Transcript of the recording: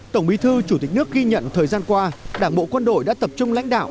tổng bí thư chủ tịch nước ghi nhận thời gian qua đảng bộ quân đội đã tập trung lãnh đạo